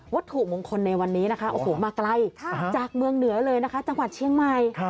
วัตถุมงคลในวันนี้มาไกลจากเมืองเหนือเลยนะคะจังหวัดเชียงใหม่